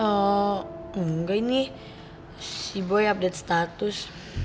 eee enggak ini si boy update status